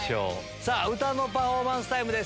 さあ歌のパフォーマンスタイムです。